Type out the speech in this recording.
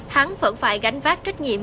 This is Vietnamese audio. hắn vẫn phải gánh vác trách nhiệm